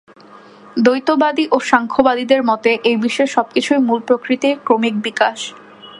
দ্বৈতবাদী ও সাংখ্যবাদীদের মতে এই বিশ্বের সবকিছুই মূল প্রকৃতির ক্রমিক বিকাশ।